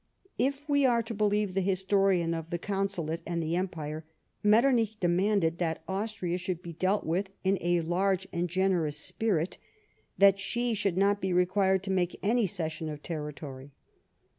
If we are to believe the historian of the Consulate and the Empire, Metternich demanded that Austria should be dealt with in a large and generous spirit ; that she should not be required to make any cession of territory.